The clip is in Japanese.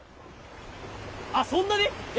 あ、そんなに！